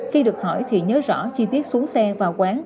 khi được hỏi thì nhớ rõ chi tiết xuống xe vào quán